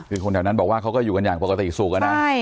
คือคนแถวนั้นบอกว่าเขาก็อยู่กันอย่างปกติสุขอะนะ